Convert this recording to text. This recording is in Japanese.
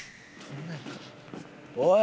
おい！